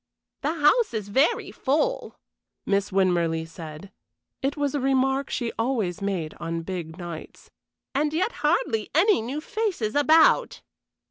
"The house is very full," Miss Winmarleigh said it was a remark she always made on big nights "and yet hardly any new faces about."